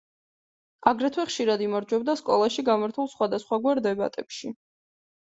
აგრეთვე ხშირად იმარჯვებდა სკოლაში გამართულ სხვადასხვაგვარ დებატებში.